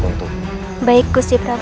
tolong siapkan kamar yang terbaik